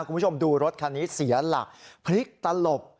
คุณผู้ชมดูรถคันนี้เสียหลักพลิกตลบ